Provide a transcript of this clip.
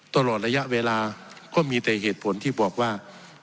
ตลอดระยะเวลาก็มีแต่เหตุผลที่บอกว่า